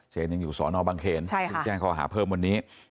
ยังอยู่สอนอบังเขนที่แจ้งข้อหาเพิ่มวันนี้